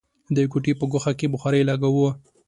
د کوټې په ګوښه کې بخارۍ لګوو.